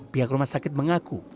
pihak rumah sakit mengaku